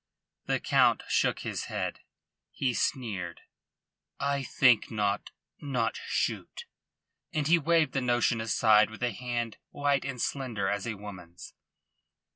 The Count shook his head. He sneered. "I think not not shoot." And he waved the notion aside with a hand white and slender as a woman's.